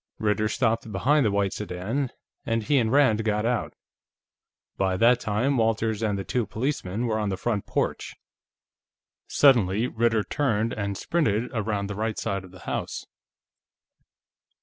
Ritter stopped behind the white sedan, and he and Rand got out. By that time, Walters and the two policemen were on the front porch. Suddenly Ritter turned and sprinted around the right side of the house.